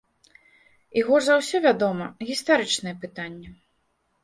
І горш за ўсё, вядома, гістарычныя пытанні.